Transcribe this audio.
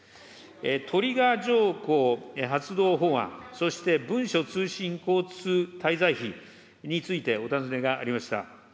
トリガー条項発動法案、そして文書通信交通滞在費についてお尋ねがありました。